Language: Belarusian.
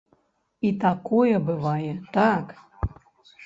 І такое бывае, так.